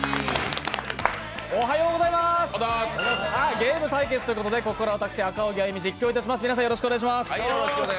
ゲーム対決ということで、ここから私、赤荻歩が実況いたします。